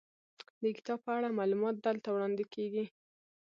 د کتاب په اړه معلومات دلته وړاندې کیږي.